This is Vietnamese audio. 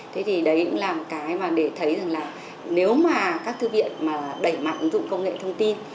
thế thì đấy cũng là một cái mà để thấy rằng là nếu mà các thư viện mà đẩy mạnh ứng dụng công nghệ thông tin